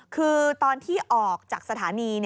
คือตอนที่ออกจากสถานี